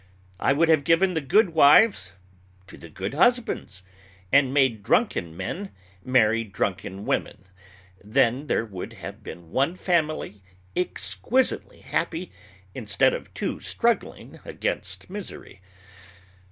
I would have given the good wives to the good husbands, and made drunken men marry drunken women. Then there would have been one family exquisitely happy instead of two struggling against misery.